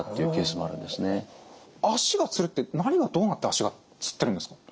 足がつるって何がどうなって足がつってるんですか？